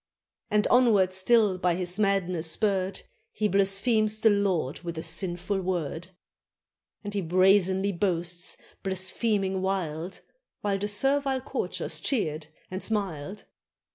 And, onward still by his madness spurred. He blasphemes the Lord with a sinful word; And he brazenly boasts, blaspheming wild. While the servile courtiers cheered and smiled.